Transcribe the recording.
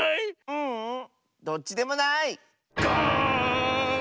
ううんどっちでもない！ガーン！